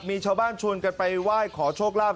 มีชาวบ้านชวนกันไปไหว้ขอโชคลาภ